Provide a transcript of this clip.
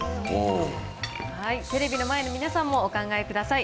テレビの前の皆さんもお考えください。